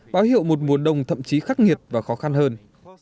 báo hiệu một mùa đông thậm chí khắc nghiệt và khó khăn hơn